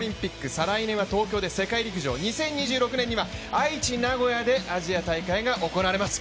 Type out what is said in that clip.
再来年は東京で世界陸上、２０２６年には愛知・名古屋でアジア大会が行われます。